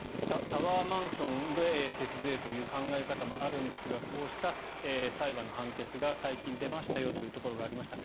タワーマンションで節税という考え方もあるんですがこうした裁判の判決が最近出ましたよということがありました。